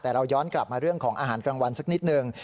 แต่เราย้อนกลับมาเรื่องของอาหารกลางวันสักนิดหนึ่ง